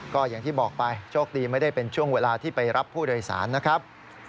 ก็อย่างที่บอกไปโชคดีไม่ได้เป็นช่วงเวลาที่ไปรับผู้โดยสารนะครับ